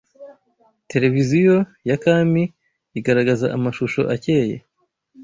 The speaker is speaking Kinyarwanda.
televiziyo ya kami igaragaza amashusho akeye